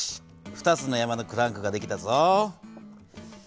２つの山のクランクができたぞ。